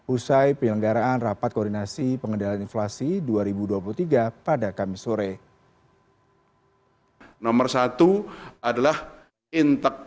usai penyelenggaraan rapat koordinasi pengendalian inflasi dua ribu dua puluh tiga